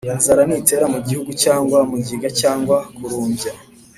inzara nitera mu gihugu cyangwa mugiga cyangwa kurumbya